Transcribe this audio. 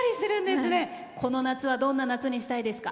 この夏はどんな夏にしたいですか？